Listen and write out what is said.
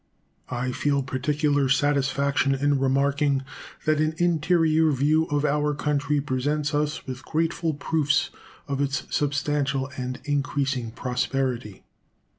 I feel particular satisfaction in remarking that an interior view of our country presents us with grateful proofs of its substantial and increasing prosperity.